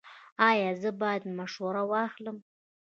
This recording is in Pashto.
ایا زه باید مشوره واخلم؟